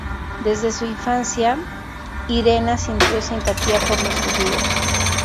Desde su infancia, Irena sintió simpatía por los judíos.